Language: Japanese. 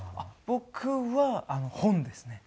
僕は本ですね。